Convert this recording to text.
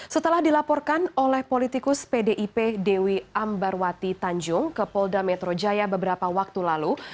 setelah dilaporkan oleh politikus pdip dewi ambarwati tanjung ke polda metro jaya beberapa waktu lalu